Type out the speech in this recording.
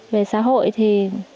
về xã hội thì